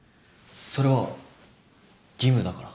それは義務だから。